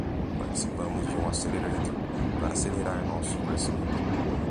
Participamos de um accelerator para acelerar nosso crescimento.